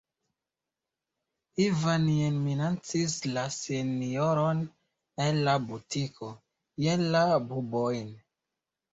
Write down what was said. Ivan jen minacis la sinjoron en la butiko, jen la bubojn.